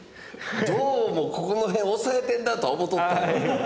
どうもここの辺押さえてるなとは思うとった。